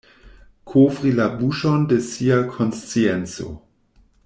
Kovri la buŝon de sia konscienco.